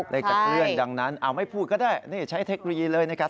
ได้จะเคลื่อนดังนั้นเอาไม่พูดก็ได้นี่ใช้เทคโนโลยีเลยนะครับ